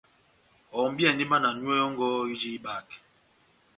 Ohɔmbiyɛndi mba na nyúwɛ́ yɔ́ngɔ ijini ihibakɛ.